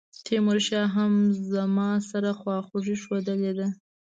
تیمورشاه هم زما سره خواخوږي ښودلې ده.